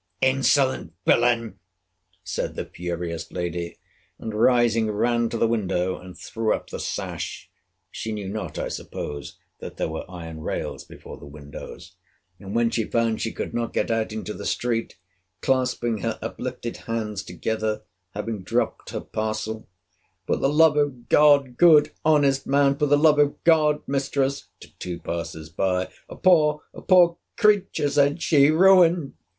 Insolent villain! said the furious lady. And rising, ran to the window, and threw up the sash, [she knew not, I suppose, that there were iron rails before the windows.] And, when she found she could not get out into the street, clasping her uplifted hands together, having dropt her parcel—For the love of God, good honest man!—For the love of God, mistress—[to two passers by,] a poor, a poor creature, said she, ruined!